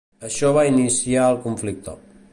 Això va iniciar el conflicte.